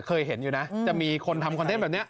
เคยเห็นอยู่นะจะมีคนทำคอนเทนต์แบบนี้